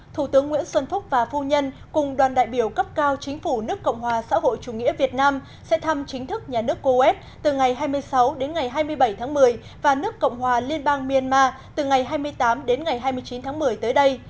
thủ tướng nguyễn xuân phúc và phu nhân cùng đoàn đại biểu cấp cao chính phủ đức cộng hòa xã hội chủ nghĩa việt nam sẽ thăm chính thức nhà nước cô quét từ ngày hai mươi sáu đến ngày hai mươi bảy tháng một mươi và đức cộng hòa liên bang myanmar từ ngày hai mươi tám đến ngày hai mươi bốn